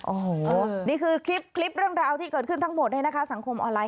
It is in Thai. โอ้นี่คือคลิปเรื่องราวที่เกิดขึ้นทั้งหมดในสังคมออนไลน์เห็นแล้ว